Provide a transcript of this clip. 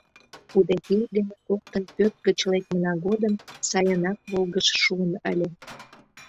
Удэхей дене коктын пӧрт гыч лекмына годым сайынак волгыж шуын ыле.